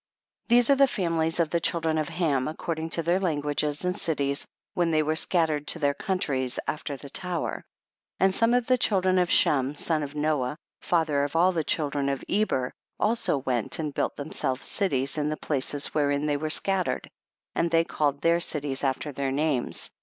29. These are the families of the children of Ham, according to their languages and cities, M'hen they were scattered to their countries after the tower. 30. And some of the children of Shem son of Noah, father of all the children of Eber, also went and built themselves cities in the places wherein they w^ere scattered, and they called their cities after their names.